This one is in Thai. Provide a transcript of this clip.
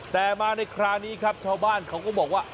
แต่มาในคราวนี้ครับชาวบ้านเขาก็บอกว่า